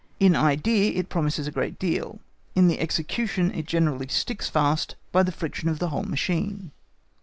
In idea it promises a great deal; in the execution it generally sticks fast by the friction of the whole machine.